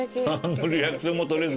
リアクションも取れず。